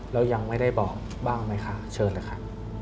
แล้วยังไม่ได้บอกบ้างไหมคะเชิญเลยค่ะ